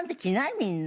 みんな。